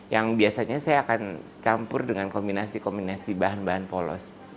yang biasanya saya akan campur dengan kombinasi kombinasi bahan bahan polos